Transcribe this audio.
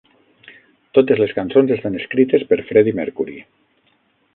Totes les cançons estan escrites per Freddie Mercury.